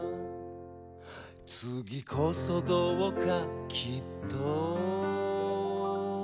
「次こそどうかきっと」